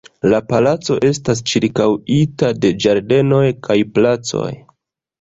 La palaco estas ĉirkaŭita de ĝardenoj kaj placoj.